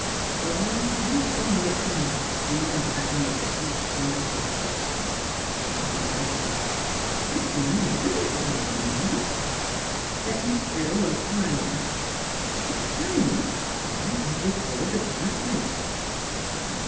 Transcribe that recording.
" I'll try 'n' git some nice green an' black mixed next time I go t' Boston," she promised vaguely. "... I seen a robin this mornin', Ma." "Settin 1 stiller flyin'?" " Flyin' right over towards th' pars'nage